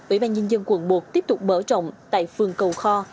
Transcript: ủy ban nhân dân quận một tiếp tục bở trọng tại phường cầu kho